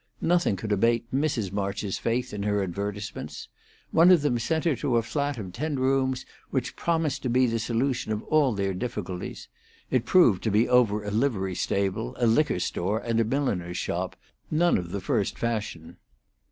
Nothing could abate Mrs. March's faith in her advertisements. One of them sent her to a flat of ten rooms which promised to be the solution of all their difficulties; it proved to be over a livery stable, a liquor store, and a milliner's shop, none of the first fashion.